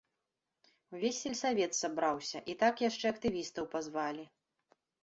Увесь сельсавет сабраўся, і так яшчэ актывістаў пазвалі.